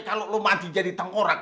kalo lo mati jadi tengkorak